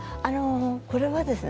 これはですね